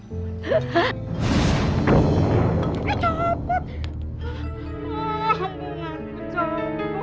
ah bungaku coba